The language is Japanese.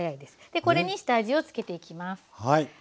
でこれに下味を付けていきます。